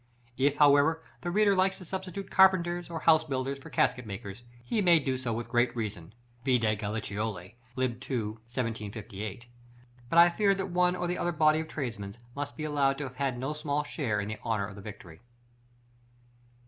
If, however, the reader likes to substitute "carpenters" or "house builders" for casket makers, he may do so with great reason (vide Galliciolli, lib. ii. § 1758); but I fear that one or the other body of tradesmen must be allowed to have had no small share in the honor of the victory.